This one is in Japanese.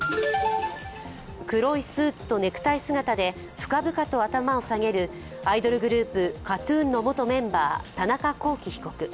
黒いスーツとネクタイ姿で深々と頭を下げるアイドルグループ・ＫＡＴ−ＴＵＮの元メンバー、田中聖被告。